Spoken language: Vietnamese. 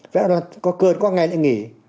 vẽ là có cơn có ngày lại nghỉ